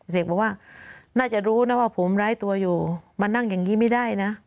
เสกบอกว่าน่าจะรู้นะว่าผมร้ายตัวอยู่มานั่งอย่างนี้ไม่ได้นะ